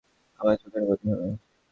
সে আমাকে সবসময় বলতো সে আমার চোখের মণি হবে।